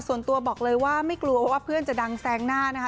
ส่วนตัวบอกเลยว่าไม่กลัวว่าเพื่อนจะดังแซงหน้านะคะ